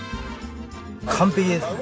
完璧ですね。